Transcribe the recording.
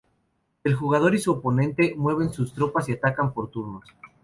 El jugador y su oponente mueven sus tropas y atacan por turnos.